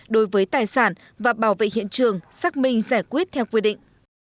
đối với tài sản và bảo vệ hiện trường xác minh giải quyết theo quy định